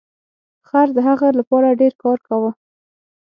خر د هغه لپاره ډیر کار کاوه.